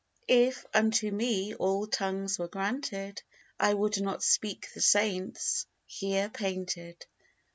If unto me all tongues were granted, I could not speak the saints here painted.